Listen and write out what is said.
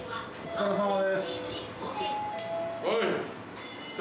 はい。